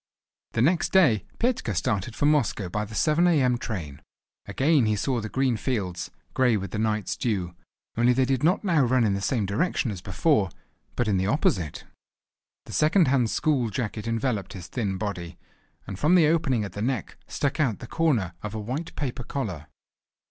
The next day Petka started for Moscow by the 7 a.m. train. Again he saw the green fields, grey with the night's dew, only they did not now run in the same direction as before, but in the opposite. The second hand school jacket enveloped his thin body, and from the opening at the neck stuck out the corner of a white paper collar.